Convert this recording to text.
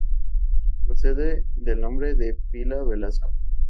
Procede del nombre de pila "Velasco".